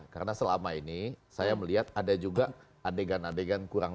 karena selama ini saya melihat ada juga adegan adegan kurang